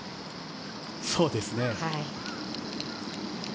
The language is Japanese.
そうですね。